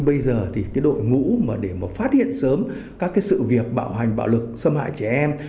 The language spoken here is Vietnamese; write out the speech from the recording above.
bây giờ thì cái đội ngũ mà để mà phát hiện sớm các cái sự việc bạo hành bạo lực xâm hại trẻ em